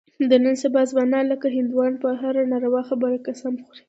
د نن سبا ځوانان لکه هندوان په هره ناروا خبره قسم خوري.